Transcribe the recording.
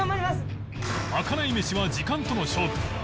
まかない飯は時間との勝負